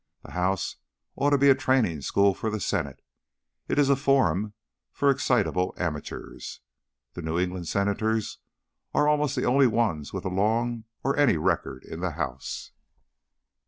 The House ought to be a training school for the Senate. It is a forum for excitable amateurs. The New England Senators are almost the only ones with a long or any record in the House."